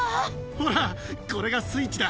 ほら、これがスイッチだ。